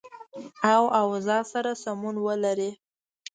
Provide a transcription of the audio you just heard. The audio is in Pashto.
او اوضاع سره سمون ولري